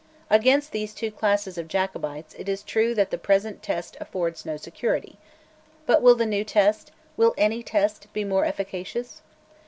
Against these two classes of Jacobites it is true that the present test affords no security. But will the new test, will any test, be more efficacious?